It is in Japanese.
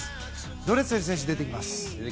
ドレセル選手が出てきます。